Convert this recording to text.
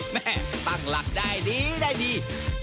แม่ตั้งหลักได้ดีได้ดี